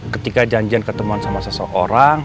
ketika janjian ketemuan sama seseorang